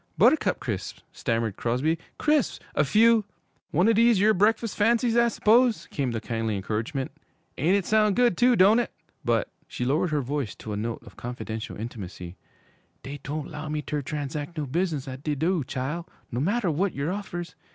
'Buttercup Crisps!' stammered Crosby. 'Crisps! A few ' 'One o' dese yere breakfus' fancies, I s'pose?' came the kindly encouragement. 'An' it soun' good, too, doan't it? But' she lowered her voice to a note of confidential intimacy 'dey doan't 'low me ter transac' no business at de do', chile, no matter w'at yer offers.